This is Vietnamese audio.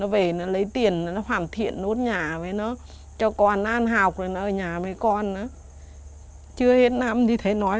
bây giờ nó bỏ cho tụi chúng tôi